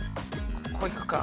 ここいくか？